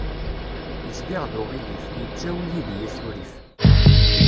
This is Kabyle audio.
Zdiɣ d uɣilif, yettawi yid-i asurif.